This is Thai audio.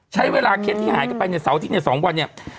ใช้เวลาเค้นที่หายกันไปเนี่ยเสาที่เนี่ยสองวันเนี่ย